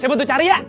saya butuh cari ya